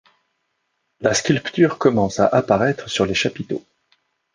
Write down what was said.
La sculpture commence à apparaître sur les chapiteaux.